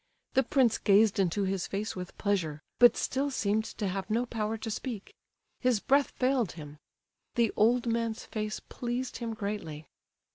The prince gazed into his face with pleasure, but still seemed to have no power to speak. His breath failed him. The old man's face pleased him greatly.